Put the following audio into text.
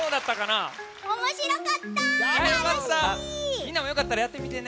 みんなもよかったらやってみてね。